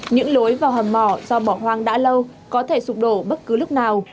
những lối vào hầm mỏ do bỏ hoang đã lâu có thể sụp đổ bất cứ lúc nào